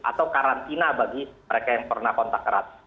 atau karantina bagi mereka yang pernah kontak erat